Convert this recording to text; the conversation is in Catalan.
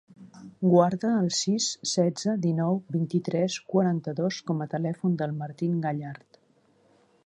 Guarda el sis, setze, dinou, vint-i-tres, quaranta-dos com a telèfon del Martín Gallart.